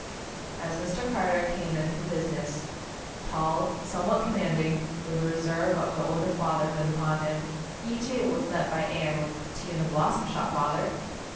As Mr. Carter came in from business tall, somewhat commanding, with the re serve of the older fatherhood upon him he, too, was met by Anne with "Tea in The Blossom Shop, father!"